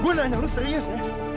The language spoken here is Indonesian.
gue nanya lu serius ya